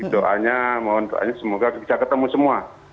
doanya semoga bisa ketemu semua